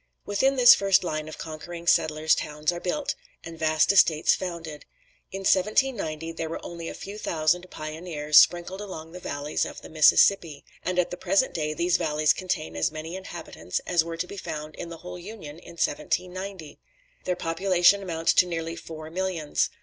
"Within this first line of conquering settlers towns are built, and vast estates founded. In 1790 there were only a few thousand pioneers sprinkled along the valleys of the Mississippi: and at the present day these valleys contain as many inhabitants as were to be found in the whole Union in 1790. Their population amounts to nearly four millions.